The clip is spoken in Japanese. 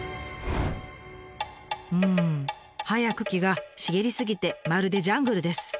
うん葉や茎が茂り過ぎてまるでジャングルです。